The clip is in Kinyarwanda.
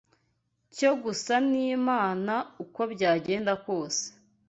cyo gusa n’Imana, uko byagenda kose